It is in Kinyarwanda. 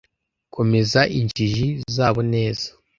komeza injiji zabo neza